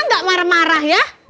gak marah marah ya